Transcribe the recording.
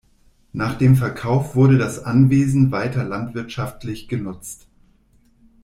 Nach dem Verkauf wurde das Anwesen weiter landwirtschaftlich genutzt.